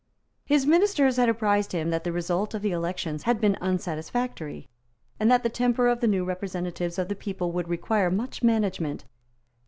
His ministers had apprised him that the result of the elections had been unsatisfactory, and that the temper of the new representatives of the people would require much management.